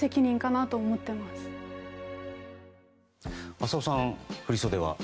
浅尾さん、振り袖は？